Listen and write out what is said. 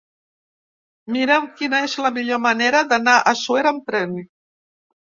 Mira'm quina és la millor manera d'anar a Suera amb tren.